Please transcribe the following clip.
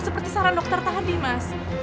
seperti saran dokter tadi mas